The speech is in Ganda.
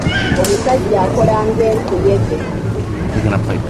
Omusajja akola ng'enkuyege.